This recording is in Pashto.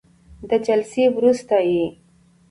او د جلسې وروسته یې